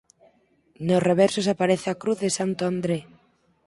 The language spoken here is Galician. Nos reversos aparece a cruz de Santo André.